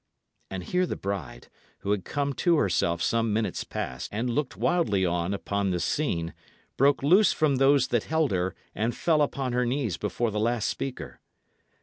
And here the bride, who had come to herself some minutes past and looked wildly on upon this scene, broke loose from those that held her, and fell upon her knees before the last speaker.